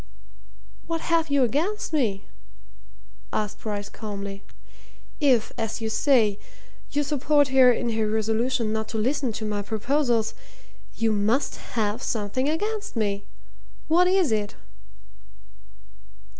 "What have you against me?" asked Bryce calmly. "If, as you say, you support her in her resolution not to listen to my proposals, you must have something against me. What is it?"